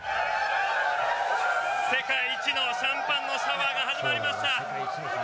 世界一のシャンパンのシャワーが始まりました。